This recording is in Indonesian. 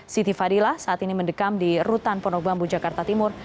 siti fadila saat ini mendekam di rutan pondok bambu jakarta timur